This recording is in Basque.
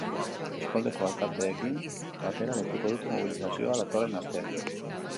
Eskualdeko alkateekin batera deituko dute mobilizazioa datorren astean.